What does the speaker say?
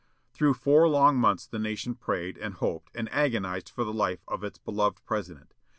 Through four long months the nation prayed, and hoped, and agonized for the life of its beloved President.